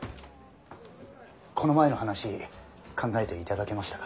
この前の話考えていただけましたか？